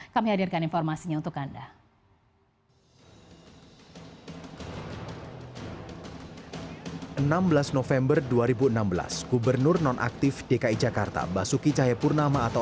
kami hadirkan informasinya untuk anda